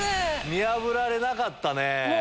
見破られなかったね。